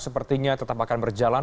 sepertinya tetap akan berjalan